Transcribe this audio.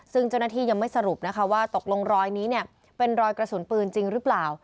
ซึ่งเจ้าหน้าที่ยังไม่สรุปนะคะว่าตกลงรอยนี้เป็นรอยกระสุนปืนจริงหรือเปล่า